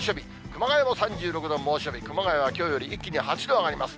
熊谷も３６度、猛暑日、熊谷はきょうより一気に８度上がります。